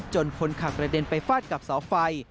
คนขับกระเด็นไปฟาดกับเสาไฟ